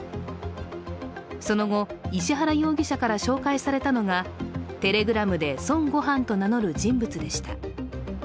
その後、石原容疑者から紹介されたのがテレグラムで孫悟飯と名乗る人物でした。